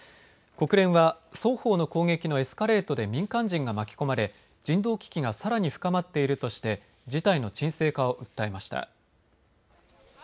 国連は双方の攻撃のエスカレートで民間人が巻き込まれ人道危機がさらに深まっているとして事態の鎮静化を訴えました。